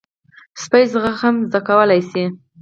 سپي زغم زده کولی شي.